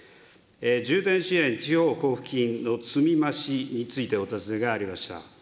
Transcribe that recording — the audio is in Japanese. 重点支援地方交付金の積み増しについてお尋ねがありました。